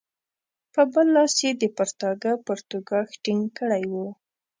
په بل لاس یې د پرتاګه پرتوګاښ ټینګ کړی وو.